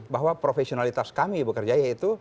bahwa profesionalitas kami bekerjanya itu